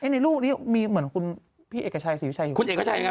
ในลูกนี้มีเหมือนพี่เอกชัยสิวิชัย